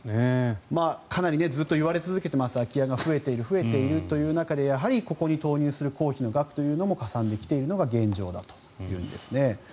かなりずっと言われ続けてます空き家が増えているという中でやはりここに投入する公費の額がかさんできているのも現状だというんですね。